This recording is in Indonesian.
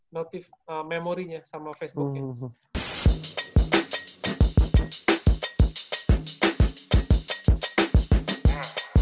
notif memorinya sama facebooknya